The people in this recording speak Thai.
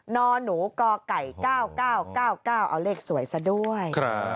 นหนูกไก่๙๙๙๙๙๙เอาเลขสวยซะด้วย